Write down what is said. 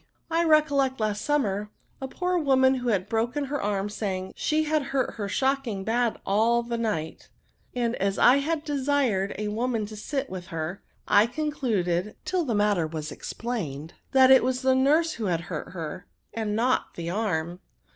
I recollect last summer, a poor woman who had broken her arm saying, she had hurt her shocking bad all the night; and as I had desired NOUNS. IS^ a womaxL to sit up with her, I conchided (till the matter was explained), that it was the nurse who had hurt her, and not the arm."